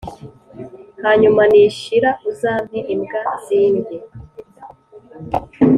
hanyuma nishira uzampe imbwa zindye.